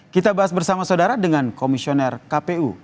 kita bahas bersama saudara dengan komisioner kpu